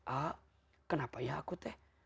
a kenapa ya aku teh